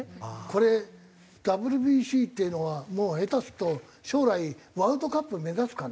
これＷＢＣっていうのはもう下手すると将来ワールドカップ目指すかな？